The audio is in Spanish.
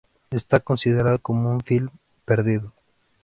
Está considerada como un film perdido.